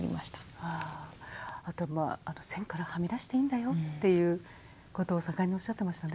あと「線からはみ出していいんだよ」っていうことを盛んにおっしゃってましたね。